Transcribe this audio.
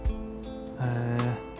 へえ